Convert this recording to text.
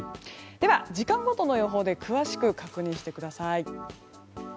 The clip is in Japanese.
では、時間ごとの予報で詳しく確認してください。